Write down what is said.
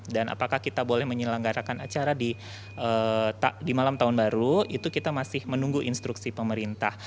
dan apakah kita boleh menyelenggarakan acara di malam tahun baru itu kita masih menunggu instruksi pemerintah